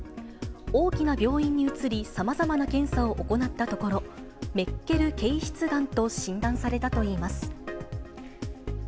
大きな病院に移り、さまざまな検査を行ったところ、メッケル憩室がんと診断されたといいます。